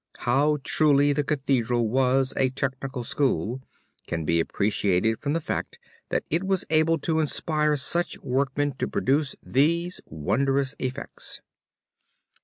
How truly the Cathedral was a Technical School can be appreciated from the fact that it was able to inspire such workmen to produce these wondrous effects.